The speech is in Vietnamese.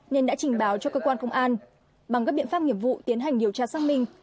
nên đã trình báo cho cơ quan công an bằng các biện pháp nghiệp vụ tiến hành điều tra xác minh